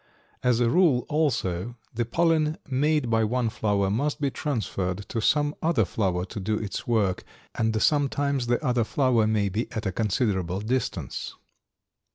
As a rule, also, the pollen made by one flower must be transferred to some other flower to do its work, and sometimes the other flower may be at a considerable distance.